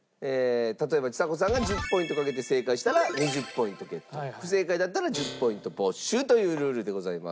例えばちさ子さんが１０ポイントかけて正解したら２０ポイントゲット不正解だったら１０ポイント没収というルールでございます。